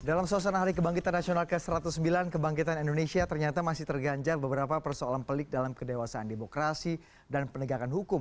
dalam suasana hari kebangkitan nasional ke satu ratus sembilan kebangkitan indonesia ternyata masih terganjar beberapa persoalan pelik dalam kedewasaan demokrasi dan penegakan hukum